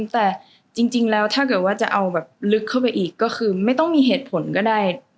แต่จริงแล้วถ้าเกิดว่าจะเอาแบบลึกเข้าไปอีกก็คือไม่ต้องมีเหตุผลก็ได้